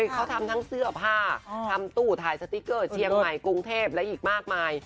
เขาทำทั้งเสื้อผ้าทำตู้ถ่ายสติ๊กเกอร์เชียงใหม่กรุงเทพและอีกมากมาย